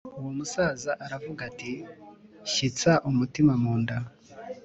Uwo musaza aravuga ati Shyitsa umutima munda